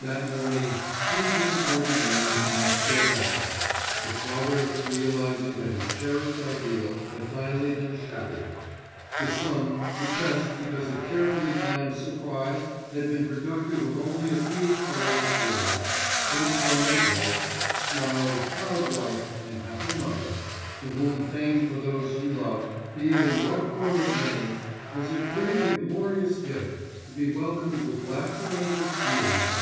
That morning two disappointed men commenced their breakfasts, the father realising that his cherished ideal had finally been shattered; the son depressed because a carefully planned surprise had been productive of only a few colourless words, and upon them both smiled a proud wife and happy mother, to whom fame for those she loved, be it in what form it may, was a great and glorious gift to be welcomed with laughter and with tears.